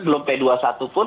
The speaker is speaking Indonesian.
belum p dua puluh satu pun